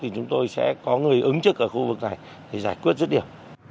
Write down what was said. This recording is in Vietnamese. chúng tôi sẽ có người ứng trực ở khu vực này để giải quyết rứt điểm